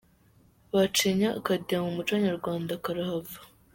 Bacinye akadiho mu muco nyarwanda karahava .